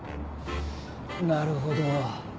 なるほど。